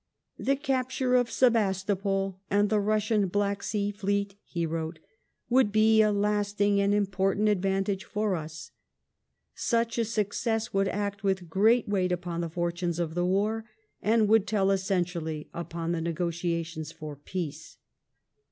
'*The capture of Sebastopol and the Russian Black Sea fleet," he wrote, ^' would be a lasting and important advantage to us* fiuch a success would act with great weight upon the fortunes of the war and would tell essentially upon the negotiations for peace."